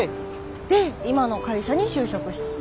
で今の会社に就職したの？